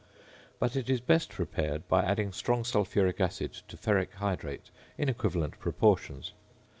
But it is best prepared by adding strong sulphuric acid to ferric hydrate in equivalent proportions.